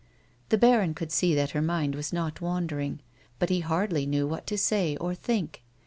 The baron could see that her mind was not wandering, but he hardly knew what to say or think.